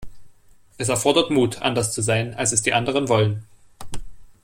Es erfordert Mut, anders zu sein, als es die anderen wollen.